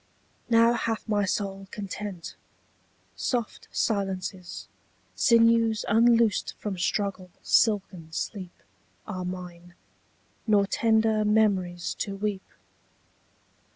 Now hath my soul content. Soft silences, Sinews unloosed from struggle, silken sleep, 27 Are mine; nor tender memories to weep.